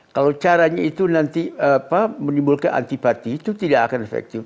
kalau caranya itu nanti menimbulkan antipati itu tidak akan efektif